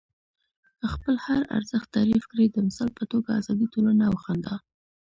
خپل هر ارزښت تعریف کړئ. د مثال په توګه ازادي، ټولنه او خندا.